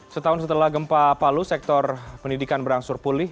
setahun setelah gempa palu sektor pendidikan berangsur pulih